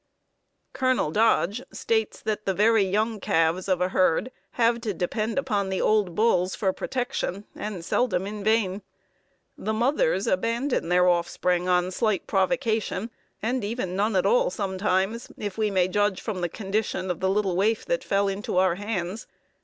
Colonel Dodge states that the very young calves of a herd have to depend upon the old bulls for protection, and seldom in vain. The mothers abandon their offspring on slight provocation, and even none at all sometimes, if we may judge from the condition of the little waif that fell into our hands.